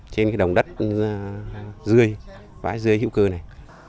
trên cái đồng đất rươi vãi rươi hữu cơ này